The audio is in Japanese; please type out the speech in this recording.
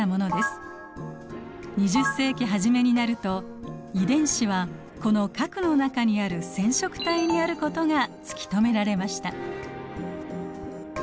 ２０世紀初めになると遺伝子はこの核の中にある染色体にあることが突き止められました。